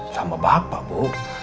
sama bapak bu